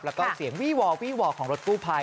แล้วก็เสียงวี่วอวี่วอของรถกู้ภัย